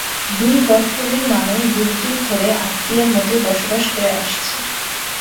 দুই বটতলির মানুষ যুগ যুগ ধরে আত্মীয়ের মতোই বসবাস করে আসছে।